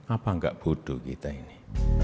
apa enggak bodoh kita ini